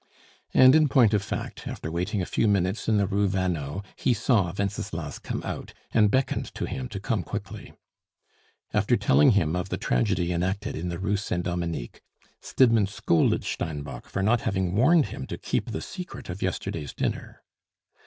And in point of fact, after waiting a few minutes in the Rue Vanneau, he saw Wenceslas come out, and beckoned to him to come quickly. After telling him of the tragedy enacted in the Rue Saint Dominique, Stidmann scolded Steinbock for not having warned him to keep the secret of yesterday's dinner.